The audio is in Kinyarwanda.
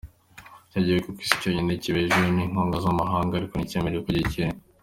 Nicyo gihugu kwisi cyonyine kibeshejweho n’inkunga z’amahanga ariko ntikemere ko gikennye